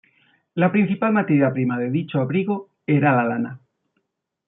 La principal materia prima de dicho abrigo era la lana.